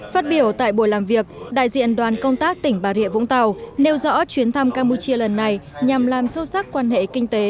phát biểu tại buổi làm việc đại diện đoàn công tác tỉnh bà rịa vũng tàu nêu rõ chuyến thăm campuchia lần này nhằm làm sâu sắc quan hệ kinh tế